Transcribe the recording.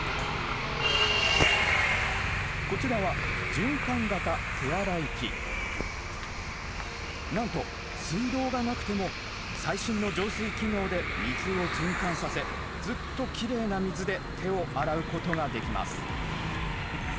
こちらはなんと水道がなくても最新の浄水機能で水を循環させずっときれいな水で手を洗うことができます。